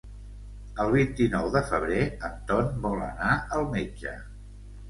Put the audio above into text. El vint-i-nou de febrer en Ton vol anar al metge.